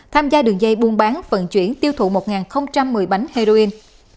tham gia đường dây buôn bán vận chuyển tiêu thụ một một mươi bánh heroin